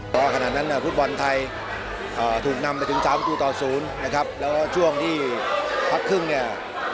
เพราะขณะนั้นภูมิบอลไทยถูกนำไปถึง๓ตัว๐นะครับแล้วช่วงที่พักครึ่งเนี่ย